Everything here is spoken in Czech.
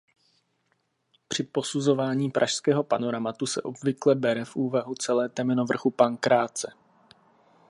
Při posuzování pražského panoramatu se obvykle bere v úvahu celé temeno vrchu Pankráce.